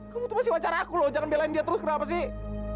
kamu tuh pasti pacar aku loh jangan belain dia terus kenapa sih